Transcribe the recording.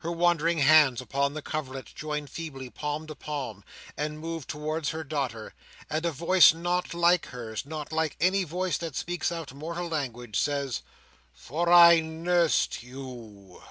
Her wandering hands upon the coverlet join feebly palm to palm, and move towards her daughter; and a voice not like hers, not like any voice that speaks our mortal language—says, "For I nursed you!"